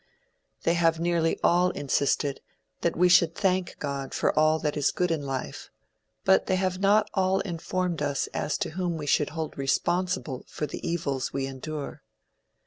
They have nearly all insisted that we should thank God for all that is good in life; but they have not all informed us as to whom we should hold responsible for the evils we endure.